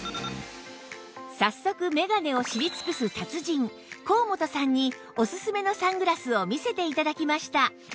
早速眼鏡を知り尽くす達人高本さんにおすすめのサングラスを見せて頂きました